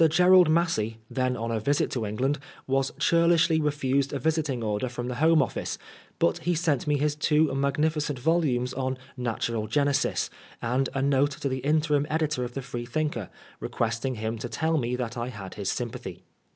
Gerald Massey, then on a visit to England, was churlishly refused a visiting order from the Home Office, but he sent me his two magnificent volumes on " Natural Genesis," and a note to the interim editor of the Freethinker, requesting him to tell me that I had his sympathy.